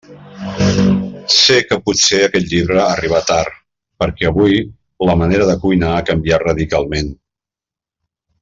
Sé que potser aquest llibre arriba tard, perquè avui la manera de cuinar ha canviat radicalment.